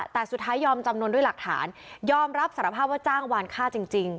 แต่สุดท้ายยอมจำนวนด้วยหลักฐานยอมรับสารภาพว่าจ้างวานฆ่าจริง